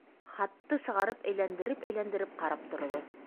Хатты сығарып әйләндереп-әйләндереп ҡарап торҙо.